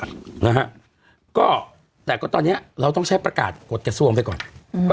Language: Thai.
นะฮะก็แต่ก็ตอนเนี้ยเราต้องใช้ประกาศกฎกระทรวงไปก่อนอืม